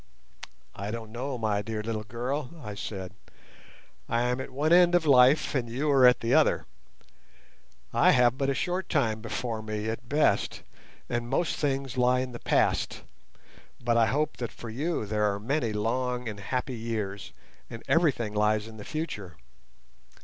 "I don't know, my dear little girl," I said, "I am at one end of life and you are at the other. I have but a short time before me at best, and most things lie in the past, but I hope that for you there are many long and happy years, and everything lies in the future.